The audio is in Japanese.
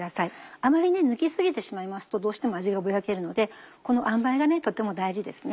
あまり抜き過ぎてしまいますとどうしても味がぼやけるのでこのあんばいがとても大事ですね。